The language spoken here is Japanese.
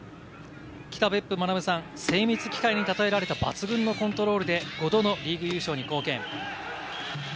北別府学さん、精密機械に例えられた抜群のコントロールで、５度のリーグ優勝に貢献。